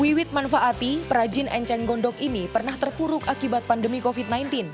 wiwit manfaati perajin enceng gondok ini pernah terpuruk akibat pandemi covid sembilan belas